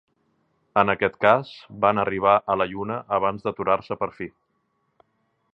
En aquest cas, van arribar a la Lluna abans d'aturar-se per fi.